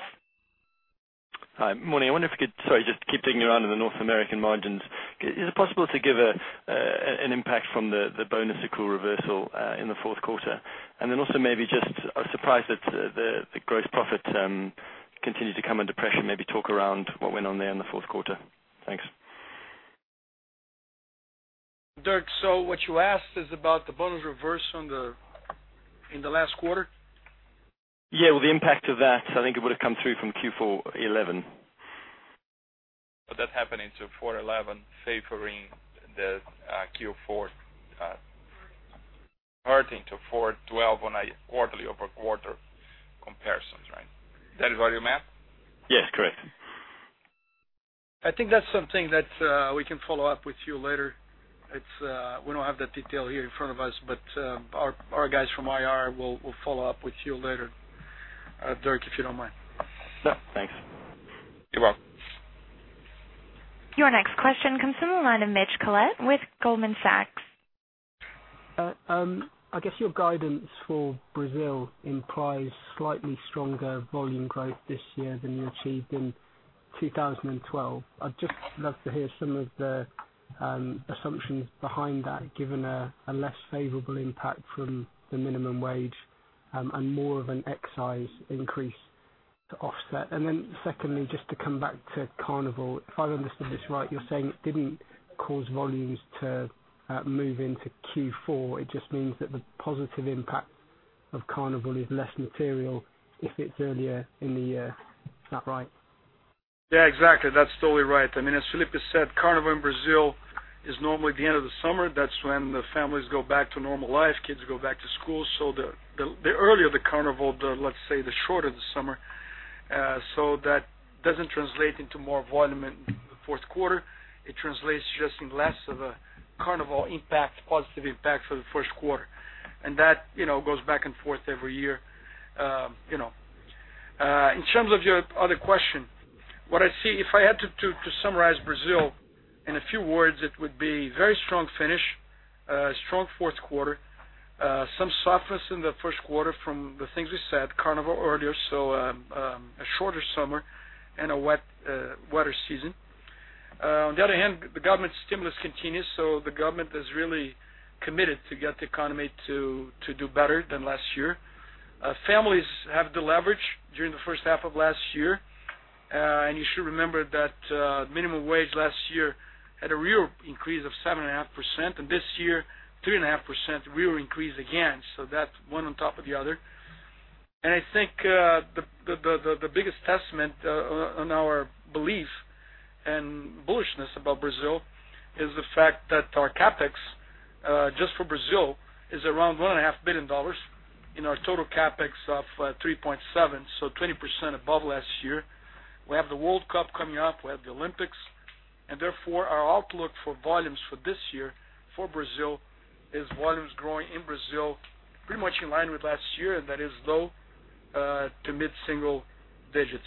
Hi. Morning. I wonder if we could. Sorry. Just keep digging around in the North American margins. Is it possible to give an impact from the bonus accrual reversal in the fourth quarter? Also maybe, I was surprised that the gross profit continued to come under pressure. Maybe talk around what went on there in the fourth quarter. Thanks. Dirk, what you asked is about the bonus reverse in the last quarter? Yeah. Well, the impact of that, I think it would have come through from Q4 2011. That happened into Q4 2011 favoring the Q4 converting to Q4 2012 on a quarter-over-quarter comparisons, right? Is that what you meant? Yes. Correct. I think that's something that we can follow up with you later. We don't have that detail here in front of us, but our guys from IR will follow up with you later, Dirk, if you don't mind. No, thanks. You're welcome. Your next question comes from the line of Mitch Collett with Goldman Sachs. I guess your guidance for Brazil implies slightly stronger volume growth this year than you achieved in 2012. I'd just love to hear some of the assumptions behind that, given a less favorable impact from the minimum wage and more of an excise increase to offset. Secondly, just to come back to Carnival. If I've understood this right, you're saying it didn't cause volumes to move into Q4. It just means that the positive impact of Carnival is less material if it's earlier in the year. Is that right? Yeah, exactly. That's totally right. As Felipe said, Carnival in Brazil is normally at the end of the summer. That's when the families go back to normal life, kids go back to school. The earlier the Carnival, let's say, the shorter the summer. That doesn't translate into more volume in the fourth quarter. It translates just in less of a Carnival impact, positive impact for the first quarter. That goes back and forth every year. In terms of your other question, what I see, if I had to summarize Brazil in a few words, it would be very strong finish, strong fourth quarter, some softness in the first quarter from the things we said, Carnival earlier, a shorter summer and a wetter season. On the other hand, the government stimulus continues, the government is really committed to get the economy to do better than last year. Families have deleveraged during the first half of last year. You should remember that minimum wage last year had a real increase of 7.5%, and this year, 3.5% real increase again. That's one on top of the other. I think the biggest testament on our belief and bullishness about Brazil is the fact that our CapEx, just for Brazil, is around $1.5 billion in our total CapEx of $3.7, 20% above last year. We have the FIFA World Cup coming up. We have the Olympics. Therefore, our outlook for volumes for this year, for Brazil, is volumes growing in Brazil pretty much in line with last year, and that is low to mid-single digits.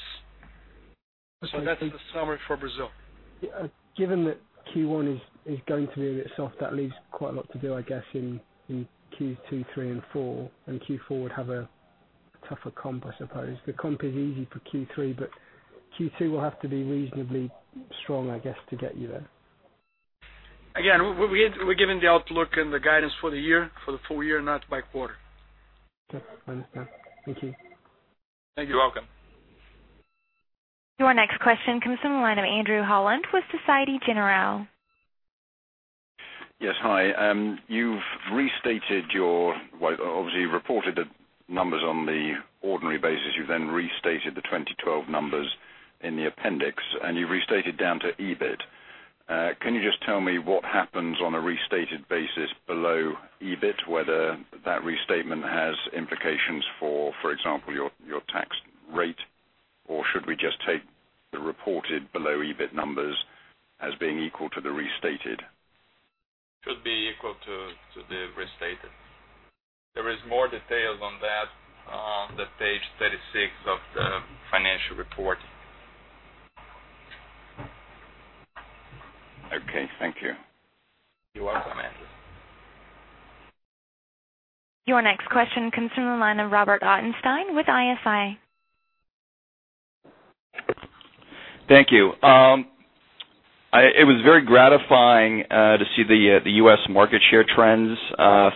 That's the summary for Brazil. Given that Q1 is going to be a bit soft, that leaves quite a lot to do, I guess, in Q2, Q3 and Q4, and Q4 would have a tougher comp, I suppose. The comp is easy for Q3, Q2 will have to be reasonably strong, I guess, to get you there. We're giving the outlook and the guidance for the year, for the full year, not by quarter. I understand. Thank you. You're welcome. Your next question comes from the line of Andrew Holland with Société Générale. Yes, hi. You've restated. Well, obviously, you reported the numbers on the ordinary basis. You restated the 2012 numbers in the appendix, and you restated down to EBIT. Can you just tell me what happens on a restated basis below EBIT, whether that restatement has implications, for example, your tax rate? Should we just take the reported below EBIT numbers as being equal to the restated? Should be equal to the restated. There is more details on that on the page 36 of the financial report. Okay. Thank you. You're welcome, Andrew. Your next question comes from the line of Robert Ottenstein with Evercore ISI. Thank you. It was very gratifying to see the U.S. market share trends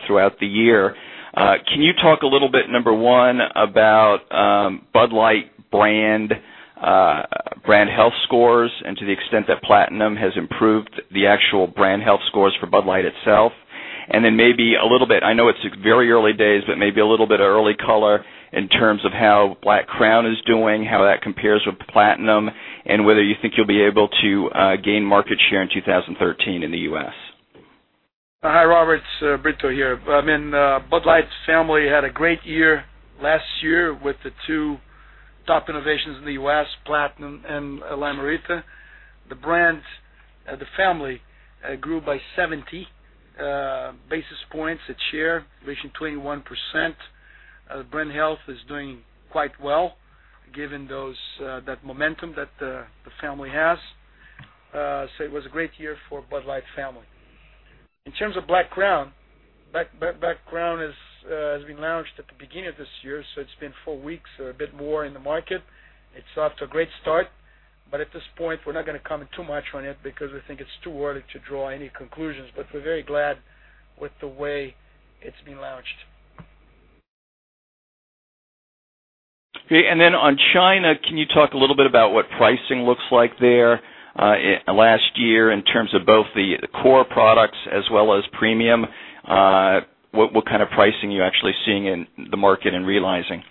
throughout the year. Can you talk a little bit, number one, about Bud Light brand health scores, and to the extent that Platinum has improved the actual brand health scores for Bud Light itself? Then maybe a little bit, I know it's very early days, but maybe a little bit of early color in terms of how Black Crown is doing, how that compares with Platinum, and whether you think you'll be able to gain market share in 2013 in the U.S. Hi, Robert. It's Brito here. Bud Light family had a great year last year with the two top innovations in the U.S., Platinum and Lime-A-Rita. The brand, the family grew by 70 basis points, its share reaching 21%. Brand health is doing quite well given that momentum that the family has. It was a great year for Bud Light family. In terms of Black Crown, Black Crown has been launched at the beginning of this year, so it's been four weeks or a bit more in the market. It's off to a great start. At this point, we're not going to comment too much on it because we think it's too early to draw any conclusions. We're very glad with the way it's been launched. Okay. Then on China, can you talk a little bit about what pricing looks like there last year in terms of both the core products as well as premium? What kind of pricing you're actually seeing in the market and realizing?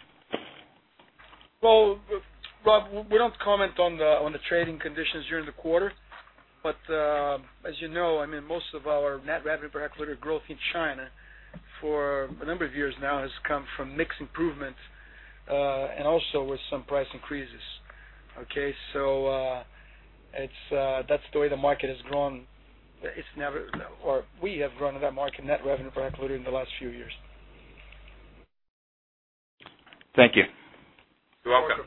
Rob, we don't comment on the trading conditions during the quarter. As you know, most of our net revenue per equity growth in China for a number of years now has come from mix improvements and also with some price increases. Okay? That's the way the market has grown. We have grown in that market net revenue per equity in the last few years. Thank you. You're welcome.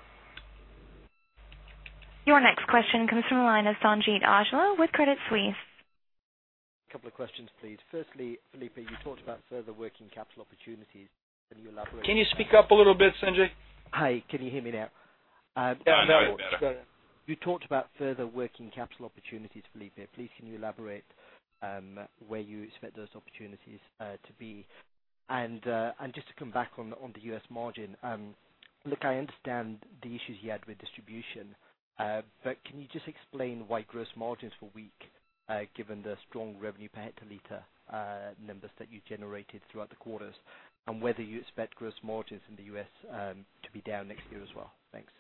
Your next question comes from the line of Sanjeet Aujla with Credit Suisse. Couple of questions, please. Firstly, Felipe, you talked about further working capital opportunities. Can you elaborate? Can you speak up a little bit, Sanjeet? Hi, can you hear me now? Yeah, now it's better. You talked about further working capital opportunities, Felipe. Please, can you elaborate where you expect those opportunities to be? Just to come back on the U.S. margin. Look, I understand the issues you had with distribution, but can you just explain why gross margins were weak, given the strong revenue per hectoliter numbers that you generated throughout the quarters, and whether you expect gross margins in the U.S. to be down next year as well? Thanks.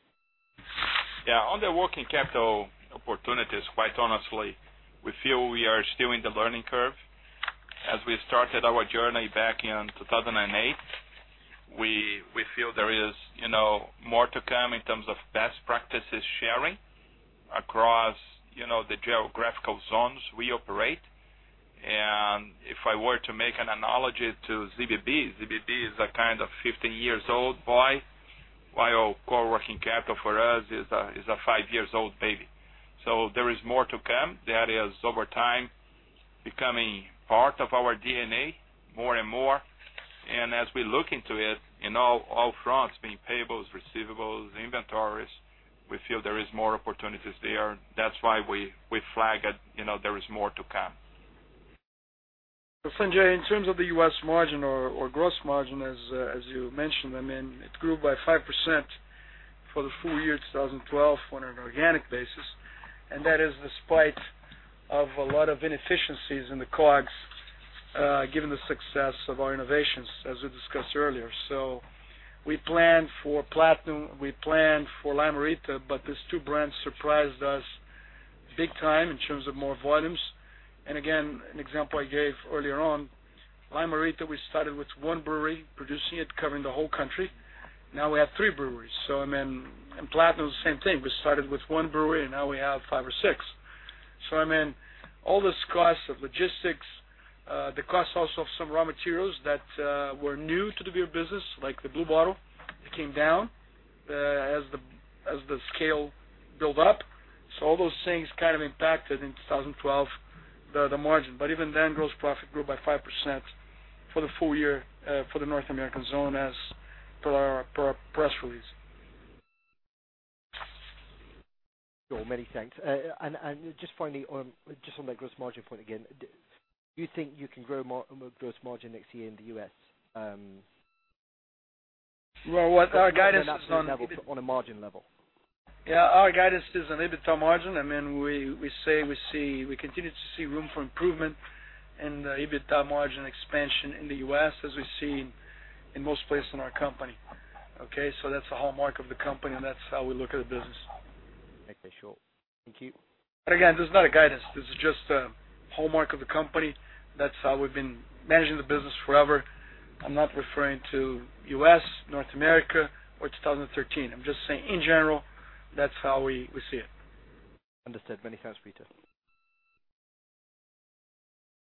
Yeah. On the working capital opportunities, quite honestly, we feel we are still in the learning curve. As we started our journey back in 2008, we feel there is more to come in terms of best practices sharing across the geographical zones we operate. If I were to make an analogy to ZBB is a kind of 15 years old boy, while core working capital for us is a five years old baby. There is more to come. That is, over time, becoming part of our DNA more and more. As we look into it, all fronts, being payables, receivables, inventories, we feel there is more opportunities there. That's why we flag it, there is more to come. Sanjeet, in terms of the U.S. margin or gross margin, as you mentioned, it grew by 5% for the full year 2012 on an organic basis, and that is despite of a lot of inefficiencies in the COGS, given the success of our innovations, as we discussed earlier. We planned for Platinum, we planned for Lime-A-Rita, but these two brands surprised us big time in terms of more volumes. Again, an example I gave earlier on, Lime-A-Rita, we started with one brewery producing it, covering the whole country. Now we have three breweries. Platinum is the same thing. We started with one brewery and now we have five or six. All this cost of logistics, the cost also of some raw materials that were new to the beer business, like the blue bottle, it came down as the scale built up. All those things impacted in 2012, the margin. Even then, gross profit grew by 5% for the full year for the North American zone as per our press release. Sure, many thanks. Finally, on that gross margin point again, do you think you can grow gross margin next year in the U.S.? What our guidance is on- On a margin level. Yeah, our guidance is on EBITDA margin. We continue to see room for improvement in the EBITDA margin expansion in the U.S., as we see in most places in our company. Okay? That's the hallmark of the company, and that's how we look at the business. Okay, sure. Thank you. Again, this is not a guidance. This is just a hallmark of the company. That's how we've been managing the business forever. I'm not referring to U.S., North America, or 2013. I'm just saying in general, that's how we see it. Understood. Many thanks, Brito.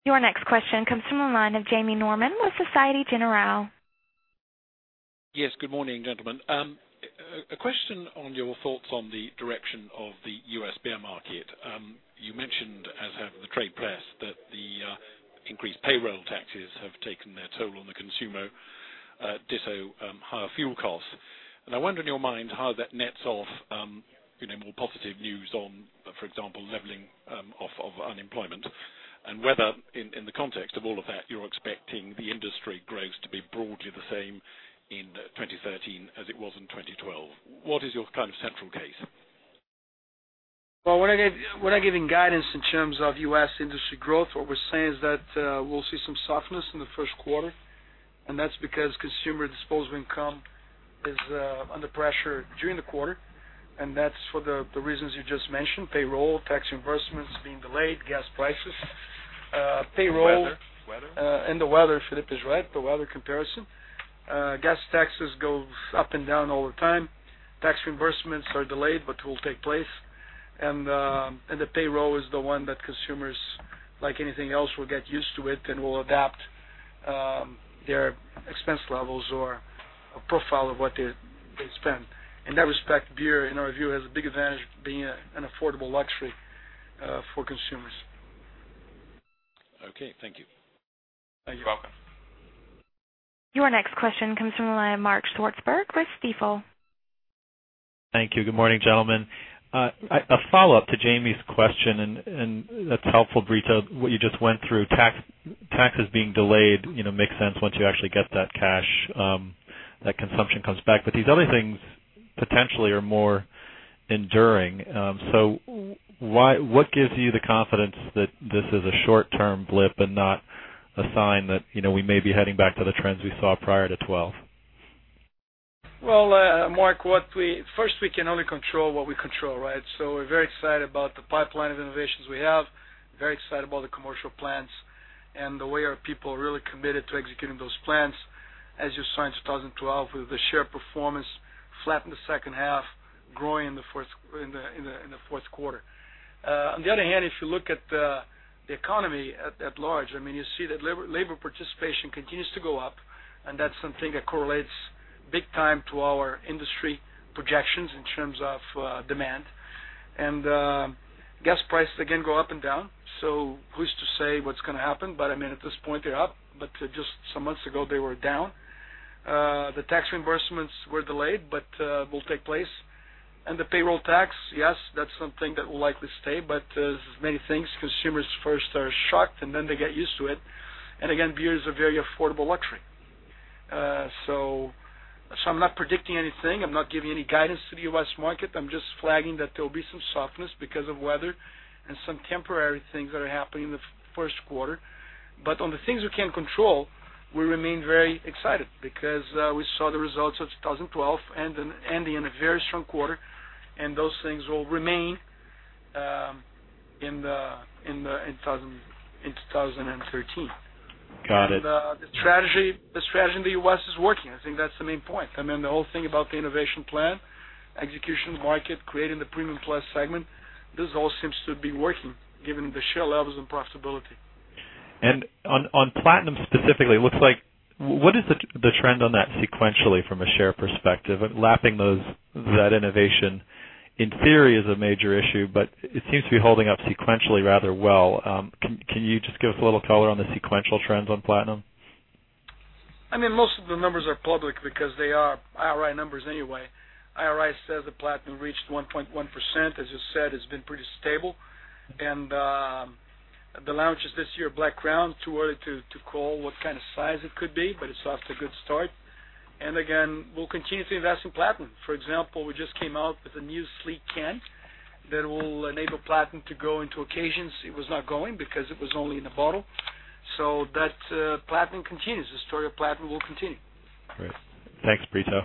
Your next question comes from the line of Jamie Norman with Société Générale. Yes, good morning, gentlemen. A question on your thoughts on the direction of the U.S. beer market. You mentioned, as have the trade press, that the increased payroll taxes have taken their toll on the consumer, ditto higher fuel costs. I wonder in your mind how that nets off more positive news on, for example, leveling of unemployment, and whether in the context of all of that, you're expecting the industry growth to be broadly the same in 2013 as it was in 2012. What is your kind of central case? Well, we're not giving guidance in terms of U.S. industry growth. What we're saying is that we'll see some softness in the first quarter, that's because consumer disposable income is under pressure during the quarter, that's for the reasons you just mentioned, payroll, tax reimbursements being delayed, gas prices. Weather. The weather, Felipe is right, the weather comparison. Gas prices go up and down all the time. Tax reimbursements are delayed but will take place. The payroll is the one that consumers, like anything else, will get used to it and will adapt their expense levels or a profile of what they spend. In that respect, beer, in our view, has a big advantage being an affordable luxury for consumers. Okay. Thank you. Thank you. You're welcome. Your next question comes from the line of Mark Swartzberg with Stifel. Thank you. Good morning, gentlemen. A follow-up to Jamie's question, that's helpful, Brito, what you just went through, taxes being delayed, makes sense once you actually get that cash, that consumption comes back. These other things potentially are more enduring. What gives you the confidence that this is a short-term blip and not a sign that we may be heading back to the trends we saw prior to 2012? Well Mark, first we can only control what we control, right? We're very excited about the pipeline of innovations we have, very excited about the commercial plans and the way our people are really committed to executing those plans. As you saw in 2012, with the share performance flat in the second half, growing in the fourth quarter. On the other hand, if you look at the economy at large, you see that labor participation continues to go up, that's something that correlates big time to our industry projections in terms of demand. Gas prices, again, go up and down. Who's to say what's going to happen, at this point they're up. Just some months ago, they were down. The tax reimbursements were delayed but will take place. The payroll tax, yes, that's something that will likely stay. As with many things, consumers first are shocked, and then they get used to it. Again, beer is a very affordable luxury. I'm not predicting anything. I'm not giving any guidance to the U.S. market. I'm just flagging that there'll be some softness because of weather and some temporary things that are happening in the first quarter. On the things we can control, we remain very excited because we saw the results of 2012 ending in a very strong quarter, and those things will remain in 2013. Got it. The strategy in the U.S. is working. I think that's the main point. The whole thing about the innovation plan, execution, market, creating the premium plus segment, this all seems to be working, given the share levels and profitability. On Platinum specifically, what is the trend on that sequentially from a share perspective? Lapping that innovation in theory is a major issue, but it seems to be holding up sequentially rather well. Can you just give us a little color on the sequential trends on Platinum? Most of the numbers are public because they are IRI numbers anyway. IRI says that Platinum reached 1.1%. As you said, it's been pretty stable. The launch this year of Black Crown, too early to call what kind of size it could be, but it's off to a good start. Again, we'll continue to invest in Platinum. For example, we just came out with a new sleek can that will enable Platinum to go into occasions it was not going because it was only in a bottle. Platinum continues. The story of Platinum will continue. Great. Thanks, Brito.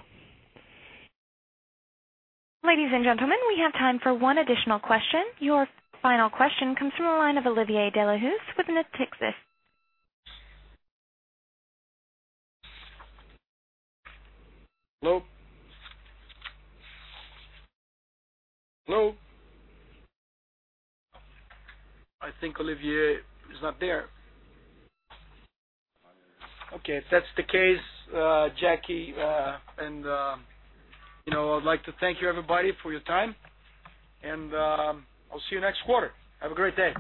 Ladies and gentlemen, we have time for one additional question. Your final question comes from the line of Olivier Delahousse with Natixis. Hello? Hello? I think Olivier is not there. Okay, if that's the case, Jackie, I'd like to thank you, everybody, for your time. I'll see you next quarter. Have a great day.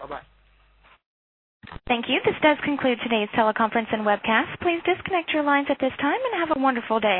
Bye-bye. Thank you. This does conclude today's teleconference and webcast. Please disconnect your lines at this time and have a wonderful day.